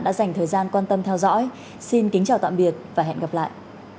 để hạn chế dịch bệnh lây lan